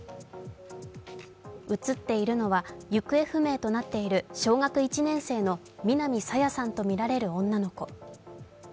映っているのは行方不明となっている小学１年生の南朝芽さんとみられる女の子。